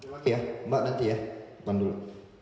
oke pak ya mbak nanti ya depan dulu